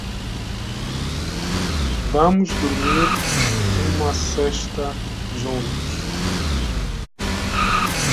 Vamos dormir uma sesta juntos